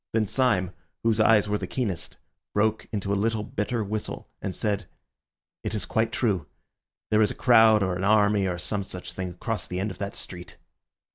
Then Syme, whose eyes were the keenest, broke into a little bitter whistle, and said, "It is quite true. There is a crowd or an army or some such thing across the end of that street."